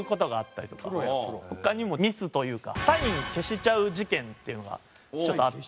他にもミスというかサイン消しちゃう事件っていうのがちょっとあって。